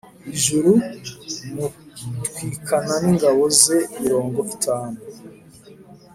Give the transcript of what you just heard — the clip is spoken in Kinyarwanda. ijuru umutwikana n ingabo ze mirongo itanu